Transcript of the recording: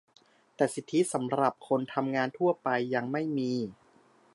แต่สิทธิสำหรับคนทำงานทั่วไป ยังไม่มี